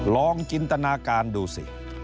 ลองจินตนาการดูสิ